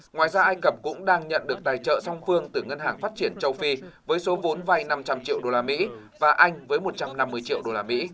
ngoài ra ai cập cũng đang nhận được tài trợ song phương từ ngân hàng phát triển châu phi với số vốn vay năm trăm linh triệu usd và anh với một trăm năm mươi triệu đô la mỹ